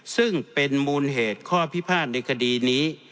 ซึ่งเป็นมูลเหตุข้อพิพาทในคดีนี้